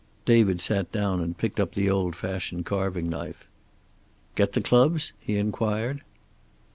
David sat down and picked up the old fashioned carving knife. "Get the clubs?" he inquired.